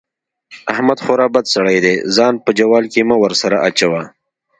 احمد خورا بد سړی دی؛ ځان په جوال کې مه ور سره اچوه.